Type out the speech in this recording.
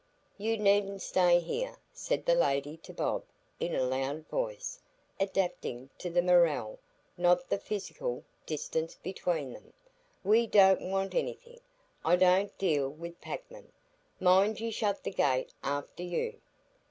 "You needn't stay here," said the lady to Bob, in a loud voice, adapted to the moral, not the physical, distance between them. "We don't want anything. I don't deal wi' packmen. Mind you shut the gate after you."